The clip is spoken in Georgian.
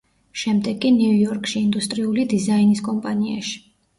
შემდეგ კი ნიუ-იორკში, ინდუსტრიული დიზაინის კომპანიაში.